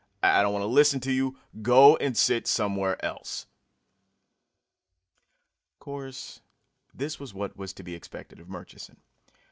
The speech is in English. I don't want to listen to you. Go and sit somewhere else." Of course, this was what was to be expected of Murchison.